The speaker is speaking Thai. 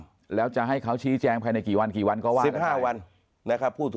กลแล้วจะให้เขาชี้แจงไปในกี่วันกี่วันเขาวาด